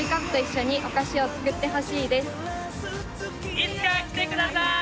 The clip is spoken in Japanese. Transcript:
いつか来てください。